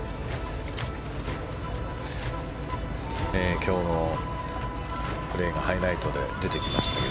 今日のプレーがハイライトで出てきます。